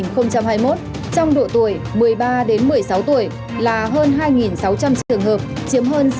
trong độ tuổi một mươi ba một mươi sáu tuổi là hơn hai sáu trăm linh trường hợp chiếm hơn sáu mươi sáu